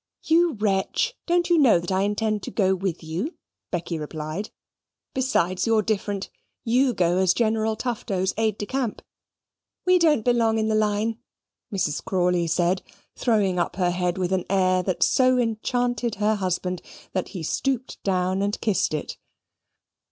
"You wretch! don't you know that I intend to go with you," Becky replied. "Besides, you're different. You go as General Tufto's aide de camp. We don't belong to the line," Mrs. Crawley said, throwing up her head with an air that so enchanted her husband that he stooped down and kissed it.